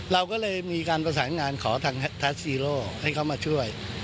เราก็เลยมีการประสานงานขอทางแท็กซีโร่ให้เขามาช่วย